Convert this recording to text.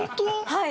はい。